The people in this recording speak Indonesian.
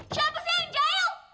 siapa sih yang jahil